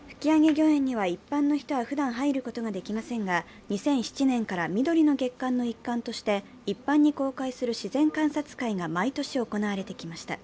御苑には一般の人は、ふだん入ることはできませんが、２００７年から、みどりの月間の一環として一般に公開する自然観察会が毎年行われてきました。